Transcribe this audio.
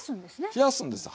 冷やすんです。